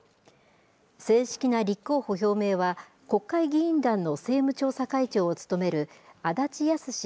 正式な立候補表明は、国会議員団の政務調査会長を務める足立康史